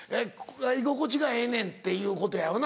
寝心地がええねんっていうことやよな